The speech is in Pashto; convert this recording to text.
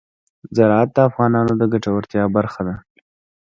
زراعت د افغانانو د ګټورتیا برخه ده.